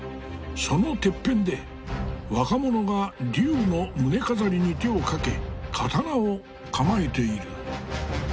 そのてっぺんで若者が龍の棟飾に手をかけ刀を構えている。